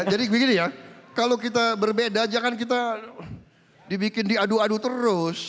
jadi begini ya kalau kita berbeda jangan kita dibikin di adu adu terus